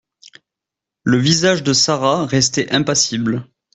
Le visage de Sara restait impassible